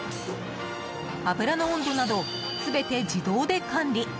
油の温度など全て自動で管理。